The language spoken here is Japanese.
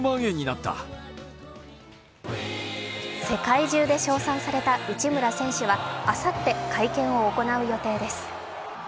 世界中で称賛された内村選手はあさって会見を行う予定です。